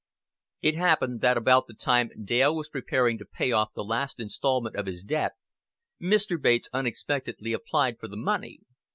It happened that about the time when Dale was preparing to pay off the last instalment of his debt, Mr. Bates unexpectedly applied for the money.